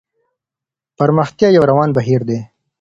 پرمختيا يو روان بهير دی.